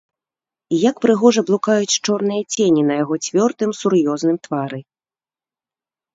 І як прыгожа блукаюць чорныя цені на яго цвёрдым, сур'ёзным твары!